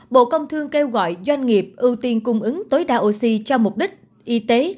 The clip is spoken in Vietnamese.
bộ công thương kêu gọi doanh nghiệp ưu tiên cung ứng tối đa oxy cho mục đích y tế